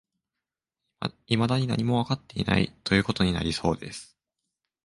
未だに何もわかっていない、という事になりそうです